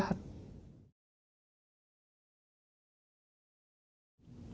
apakah pimpinan dpr yang lebih baik